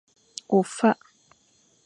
Ofak.